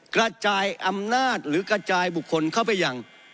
กระจายอำนาจหรือกระจายบุคคลเข้าไปอย่าง